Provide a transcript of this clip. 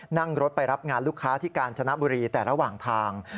นั่งรถไปรับงานลูกค้าที่กาญจนบุรีแต่ระหว่างทาง